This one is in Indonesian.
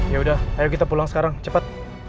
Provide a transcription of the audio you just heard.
ya udah ayo kita pulang sekarang cepat